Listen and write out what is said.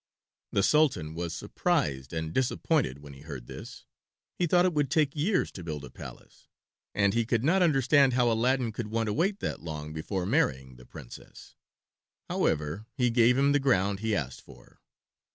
The Sultan was surprised and disappointed when he heard this. He thought it would take years to build a palace, and he could not understand how Aladdin could want to wait that long before marrying the Princess. However, he gave him the ground he asked for.